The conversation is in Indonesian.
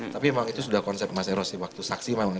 tapi memang itu sudah konsep mas erosi waktu saksi memang